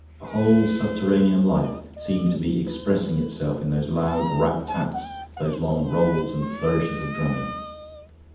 A whole subterranean life seemed to be expressing itself in those loud rat tats, those long rolls and flourishes of drumming.